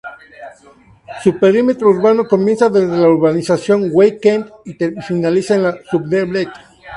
Su perímetro urbano comienza desde las urbanización Weekend y finaliza en La Soublette.